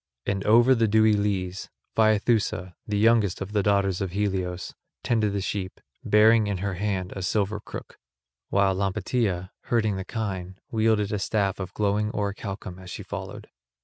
And over the dewy leas Phaethusa, the youngest of the daughters of Helios, tended the sheep, bearing in her hand a silver crook; while Lampetia, herding the kine, wielded a staff of glowing orichalcum as she followed.